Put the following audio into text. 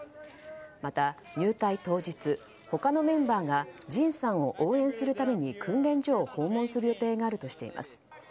また入隊当日、他のメンバーがＪＩＮさんを応援するために訓練所を訪問する予定があるとしています。